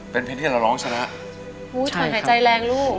เป็นเพลงที่เราร้องชนะอุ้ยช่วยหายใจแรงลูก